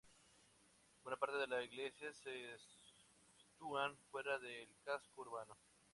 Buena parte de las iglesias se sitúan fuera del casco urbano.